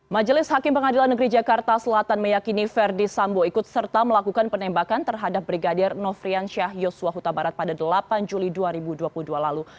majelis hakim pengadilan negeri jakarta selatan meyakini verdi sambo ikut serta melakukan penembakan terhadap brigadir nofrian syah yosua huta barat pada delapan juli dua ribu dua puluh dua lalu